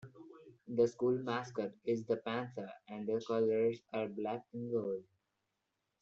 The school mascot is the Panther and the colors are black and gold.